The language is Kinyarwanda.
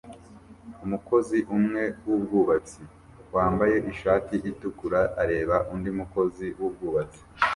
Umukozi umwe wubwubatsi wambaye ishati itukura areba undi mukozi wubwubatsi